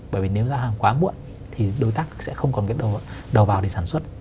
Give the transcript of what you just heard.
bởi vì nếu ra hàng quá muộn thì đối tác sẽ không còn cái đầu vào để sản xuất